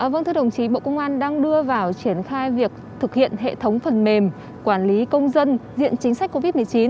vâng thưa đồng chí bộ công an đang đưa vào triển khai việc thực hiện hệ thống phần mềm quản lý công dân diện chính sách covid một mươi chín